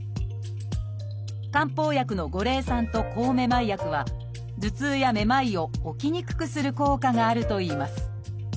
漢方薬の五苓散と抗めまい薬は頭痛やめまいを起きにくくする効果があるといいます。